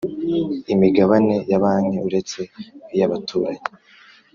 Imigabane ya banki uretse iyabaturage